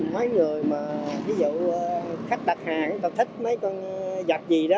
mấy người mà ví dụ khách đặt hàng người ta thích mấy con dạch gì đó